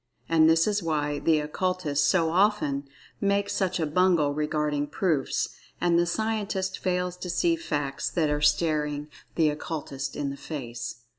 And this is why the Occultists so often make such a bungle regarding "proofs" and the Scientist fails to see "facts" that are staring the Occultist in the face.